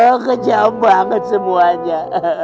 heu kejauh banget semuanya